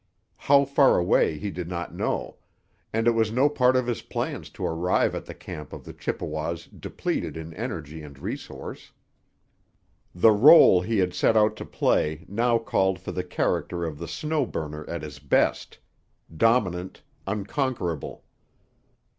How far away he did not know; and it was no part of his plans to arrive at the camp of the Chippewas depleted in energy and resource. The role he had set out to play now called for the character of the Snow Burner at his best—dominant, unconquerable.